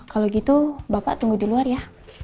kalau gitu bapak tunggu di luar ya